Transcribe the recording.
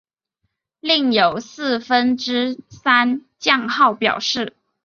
另有四分之三降号表示。